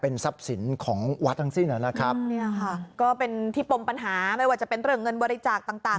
นี่ค่ะก็เทพมปัญหาไม่ว่าจะเป็นเรื่องเงินบริจาคต่าง